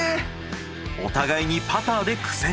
お互いにパターで苦戦。